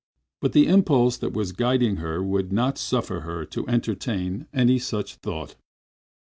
But the impulse that was guiding her would not suffer her to entertain any such thought.